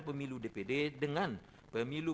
pemilu dpd dengan pemilu